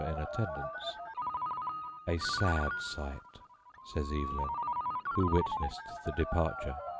in attendance "a sad sight," says Evelyn, who witnessed the departure.